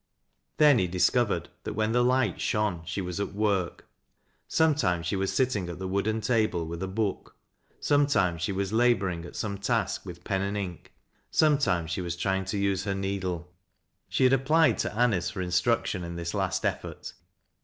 Then he discovered that when the light shone she was at work. Sometimes she was sitting at the wooden table with a book, sometimes she was laboring at some task with pen and ink, sometimes she was trying to use her needle. She had applied to Anice for instruction in this last effort.